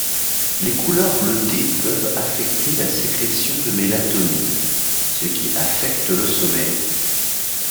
Les couleurs bleutés peuvent affecter la sécrétion de mélatonine, ce qui affecte le sommeil.